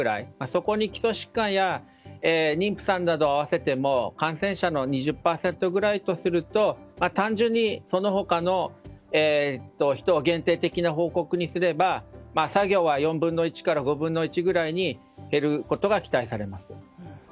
そこに基礎疾患や妊婦さんなどを合わせても感染者の２０％ぐらいとすると単純にその他の人を限定的な報告にすれば作業は４分の１から５分の１くらいに減ることが期待されます。